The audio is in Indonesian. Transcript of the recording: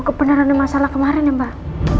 kebenaran masalah kemarin ya mbak